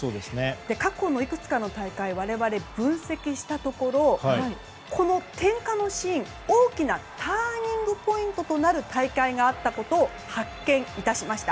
過去のいくつかの大会を我々、分析したところこの点火のシーン大きなターニングポイントとなる大会があったことを発見しました。